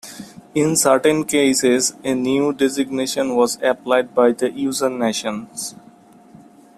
In certain cases a new designation was applied by the user nation.